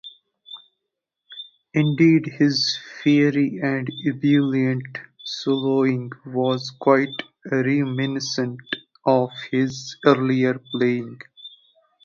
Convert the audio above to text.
Indeed, his fiery and ebullient soloing was quite reminiscent of his earlier playing.